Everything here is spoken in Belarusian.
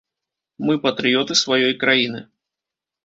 Мы патрыёты сваёй краіны.